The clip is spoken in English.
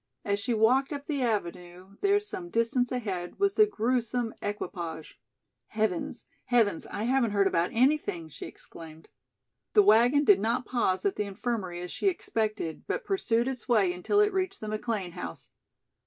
As she walked up the avenue, there some distance ahead was the gruesome equipage. "Heavens! Heavens! I haven't heard about anything," she exclaimed. The wagon did not pause at the Infirmary as she expected, but pursued its way until it reached the McLean house.